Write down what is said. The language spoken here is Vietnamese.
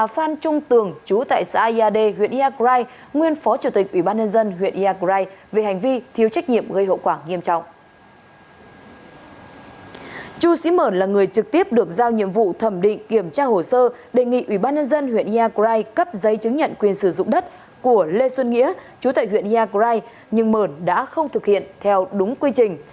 phan trung tường là người trực tiếp được giao nhiệm vụ thẩm định kiểm tra hồ sơ đề nghị ubnd huyện yagrai cấp giấy chứng nhận quyền sử dụng đất của lê xuân nghĩa chú tại huyện yagrai nhưng mởn đã không thực hiện theo đúng quy trình